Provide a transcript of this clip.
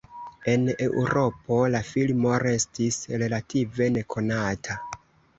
En Eŭropo, la filmo restis relative nekonata.